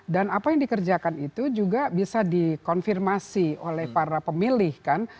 dan apa yang dikerjakan itu juga bisa dikonfirmasi oleh para pemilih kan